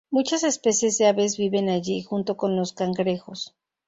Muchas especies de aves viven allí, junto con los cangrejos.